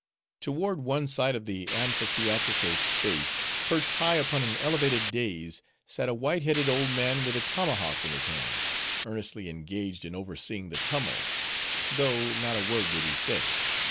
Toward one side of the amphitheatrical space, perched high upon an elevated dais, sat a white headed old man with a tomahawk in his hand: earnestly engaged in overseeing the tumult; though not a word did he say.